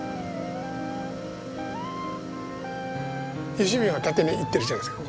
嘉瓶は縦にいってるじゃないですか。